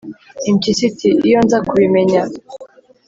Impyisi iti: "Iyo nza kubimenya!"